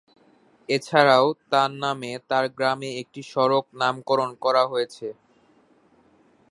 এছাড়াও তার নামে তার গ্রামে একটি সড়ক নামকরণ করা হয়েছে।